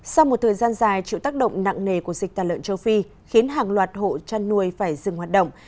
sau một thời gian dài chịu tác động nặng nề của dịch tà lợn châu phi khiến hàng loạt hộ chăn nuôi phải dừng hoạt động